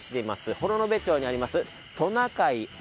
幌延町にあります